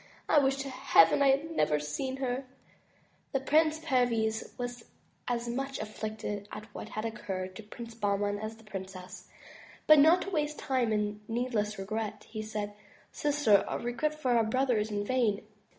I wish to heaven I had never seen her." 66 THE TREASURE CHEST Prince Perviz was as much afflicted at what had occurred to Prince Bahman as the princess, but not to waste time in need less regret, he said: "Sister, our regret for our brother is vain.